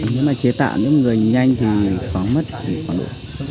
nhưng mà chế tạo những người nhanh thì khó mất thì khó đủ